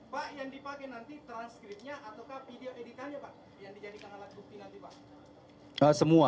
pak yang dipakai nanti transkripnya atau video editannya pak